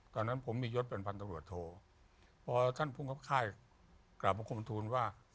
ตอนนั้นผมมียศเป็นพันธบรวจโทพอท่านภูมิกับค่ายกลับมาคมทูลว่า